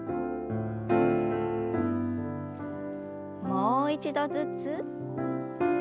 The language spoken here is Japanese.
もう一度ずつ。